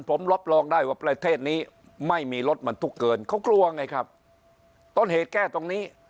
ผมรับรองได้ว่าประเทศนี้ไม่มีรถบรรทุกเกินเขากลัวไงครับต้นเหตุแก้ตรงนี้